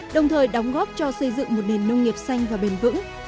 đồng thời đóng góp cho xây dựng một nền nông nghiệp xanh và bền vững